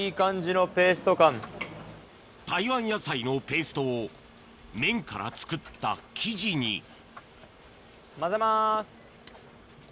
台湾野菜のペーストを麺から作った生地に混ぜます。